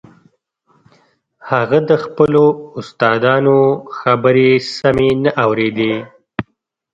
هغه د خپلو استادانو خبرې سمې نه اورېدې.